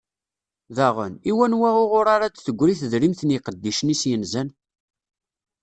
Daɣen, i wanwa uɣur ara d-teggri tedrimt n yiqeddicen-is yenzan?